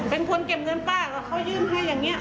เป็นคนเก็บเงินป้ากับเขายืมให้อย่างนี้